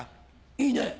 いいね。